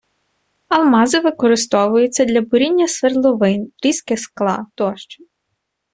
Алмази використовуються для буріння свердловин, різки скла тощо